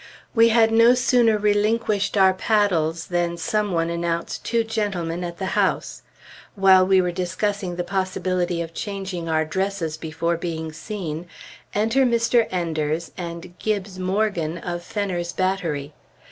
We had no sooner relinquished our paddles than some one announced two gentlemen at the house. While we were discussing the possibility of changing our dresses before being seen, enter Mr. Enders and Gibbes Morgan of Fenner's battery.